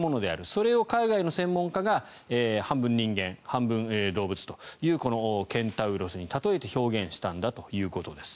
それを海外の専門家が半分人間、半分動物というこのケンタウロスに例えて表現したんだということです。